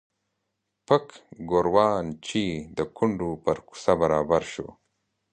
پک ګوروان چې د کونډو پر کوڅه برابر شو.